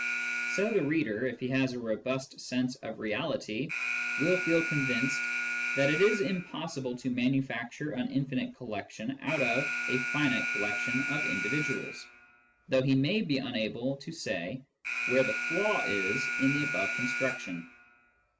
So the reader, if he has a robust sense of reality, will feel convinced that it is impossible to manufacture an infinite collection out of a finite collection of individuals, though he may be unable to say where the flaw is in the above construction.